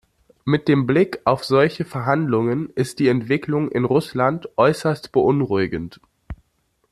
Mit dem Blick auf solche Verhandlungen ist die Entwicklung in Russland äußerst beunruhigend.